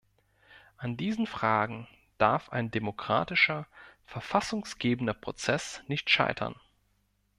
An diesen Fragen darf ein demokratischer verfassungsgebender Prozess nicht scheitern.